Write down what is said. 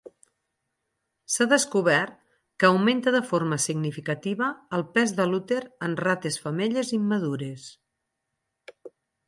S'ha descobert que augmenta de forma significativa el pes de l'úter en rates femelles immadures.